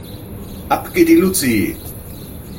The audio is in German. Ab geht die Luzi.